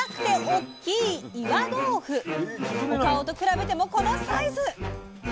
お顔と比べてもこのサイズ！